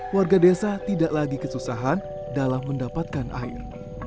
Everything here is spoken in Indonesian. warga desa tidak lagi kesusahan dalam mendapatkan air